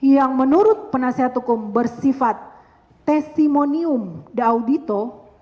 yang menurut penasihat hukum bersifat testimonium daudito